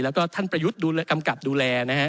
แล้วก็ท่านประยุทธ์กำกับดูแลนะฮะ